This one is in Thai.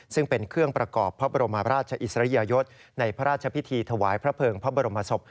ซึ่งเป็นเครื่องประกอบพระบรมราชอิสริยยศในพระราชพิธีถวายพระเภิงพระบรมศพ